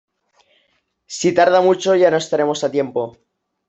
Si tarda mucho ya no estaremos a tiempo.